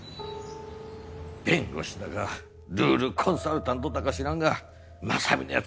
弁護士だかルールコンサルタントだか知らんが正美の奴